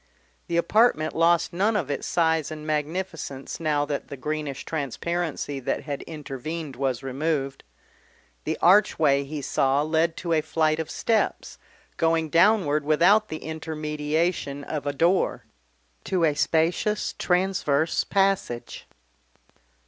The apartment lost none of its size and magnificence now that the greenish transparency that had intervened was removed. The archway he saw led to a flight of steps, going downward without the intermediation of a door, to a spacious transverse passage.